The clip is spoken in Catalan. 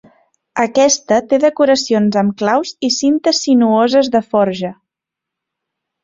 Aquesta té decoracions amb claus i cintes sinuoses de forja.